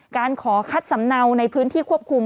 การขอคัดสำเนาในพื้นที่ควบคุม